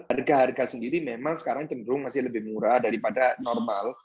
harga harga sendiri memang sekarang cenderung masih lebih murah daripada normal